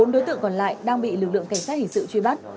bốn đối tượng còn lại đang bị lực lượng cảnh sát hình sự truy bắt